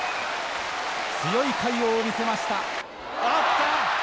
強い魁皇を見せました。